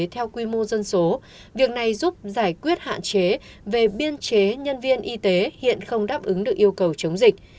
theo quy mô dân số việc này giúp giải quyết hạn chế về biên chế nhân viên y tế hiện không đáp ứng được yêu cầu chống dịch